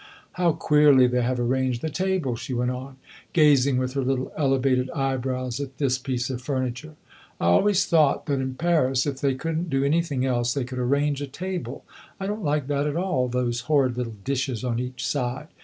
How queerly they have arranged the table!" she went on, gazing with her little elevated eyebrows at this piece of furniture. "I always thought that in Paris, if they could n't do anything else, they could arrange a table. I don't like that at all those horrid little dishes on each side!